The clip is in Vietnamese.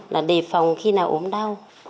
là đề phòng khi nào uống đau